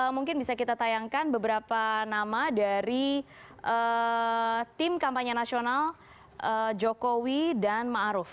mungkin bisa kita tayangkan beberapa nama dari tim kampanye nasional jokowi dan ma'aruf